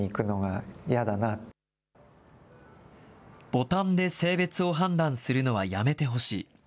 ボタンで性別を判断するのはやめてほしい。